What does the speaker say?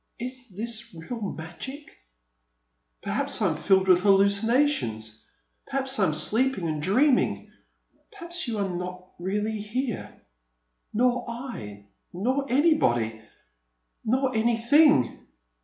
Is this real magic ? Perhaps I 'm filled with hallucinations. Perhaps I 'm asleep and dreaming. Perhaps you are not really here — nor I — ^nor anybody, nor any thing!'